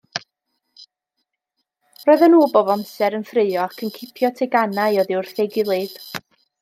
Roedden nhw bob amser yn ffraeo ac yn cipio teganau oddi wrth ei gilydd.